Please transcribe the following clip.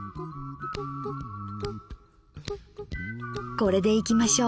これでいきましょう。